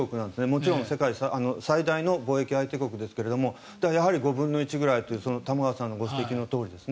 もちろん世界最大の貿易相手国ですがやはり５分の１ぐらいと玉川さんのご指摘のとおりです。